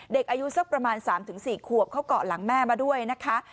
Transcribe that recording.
เด็กอายุสักประมาณ๓๔ขวบเขาเกาะหลังแม่มาด้วยนะคะ